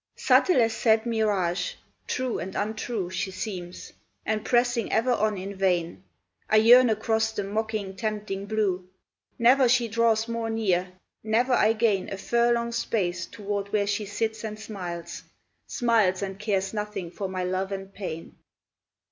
Subtle as sad mirage; true and untrue She seems, and, pressing ever on in vain, I yearn across the mocking, tempting blue. Never she draws more near, never I gain A furlong's space toward where she sits and a miles; Smiles and cares nothing for my love and pain.